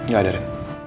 gak ada ren